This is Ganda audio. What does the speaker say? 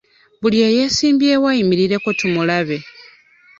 Buli yeesimbyewo ayimirireko tumulabe.